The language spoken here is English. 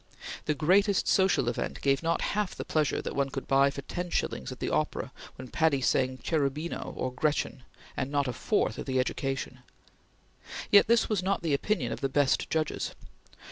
The greatest social event gave not half the pleasure that one could buy for ten shillings at the opera when Patti sang Cherubino or Gretchen, and not a fourth of the education. Yet this was not the opinion of the best judges.